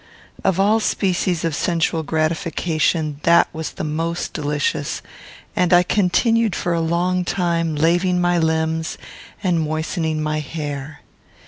Of all species of sensual gratification, that was the most delicious; and I continued for a long time laving my limbs and moistening my hair.